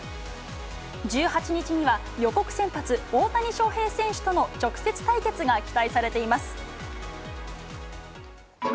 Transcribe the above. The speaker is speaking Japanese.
１８日には予告先発、大谷翔平選手との直接対決が期待されています。